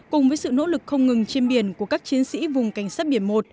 cùng với sự nỗ lực không ngừng trên biển của các chiến sĩ vùng cảnh sát biển một